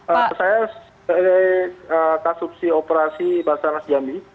saya dari kasupsi operasi basarnas jambi